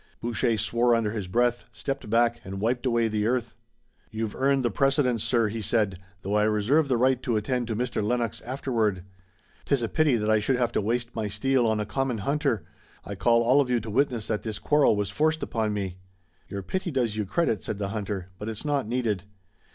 Boucher swore under his breath, stepped back, and wiped away the earth. "You've earned the precedence, sir," he said, "though I reserve the right to attend to Mr. Lennox afterward. 'Tis a pity that I should have to waste my steel on a common hunter. I call all of you to witness that this quarrel was forced upon me." "Your pity does you credit," said the hunter, "but it's not needed.